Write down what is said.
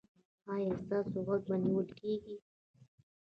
ایا ستاسو غږ به نیول کیږي؟